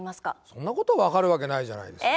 そんなこと分かるわけないじゃないですか。